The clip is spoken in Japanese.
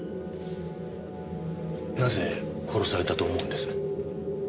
なぜ殺されたと思うんです？